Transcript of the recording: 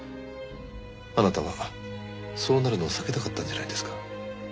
あなたはそうなるのを避けたかったんじゃないですか？